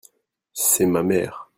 C'est ma mère.